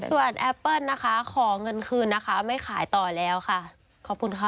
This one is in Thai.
ส่วนแอปเปิ้ลนะคะขอเงินคืนนะคะไม่ขายต่อแล้วค่ะขอบคุณค่ะ